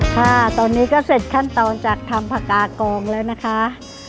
ค่ะตอนนี้ก็เสร็จขั้นตอนจากทำผักกากองแล้วนะคะ